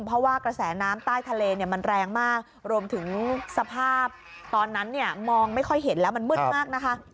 เพราะว่ากระแสน้ำใต้ทะเลเนี่ยมันแรงมากรวมถึงสภาพตอนนั้นเนี่ยมองไม่ค่อยเห็นแล้วมันมืดมากนะคะ